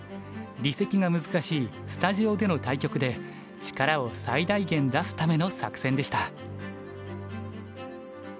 離席が難しいスタジオでの対局で力を最大限出すための作戦でした。